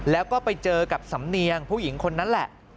แล้วก็ไปเจอกับสำเนียงผู้หญิงคนนั้นแหละ